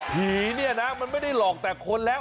ผีเนี่ยนะมันไม่ได้หลอกแต่คนแล้ว